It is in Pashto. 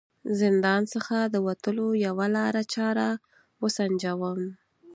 زندان څخه د وتلو یوه لاره چاره و سنجوم.